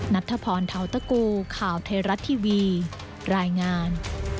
นัทพรท้าวตะกูข่าวเทราะทีวีรายงาน